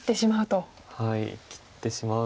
はい切ってしまう。